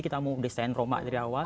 kita mau desain rombak dari awal